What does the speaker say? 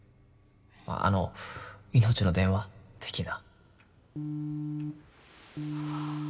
あのいのちの電話的な